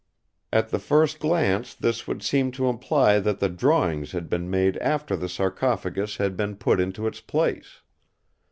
At the first glance this would seem to imply that the drawings had been made after the sarcophagus had been put into its place.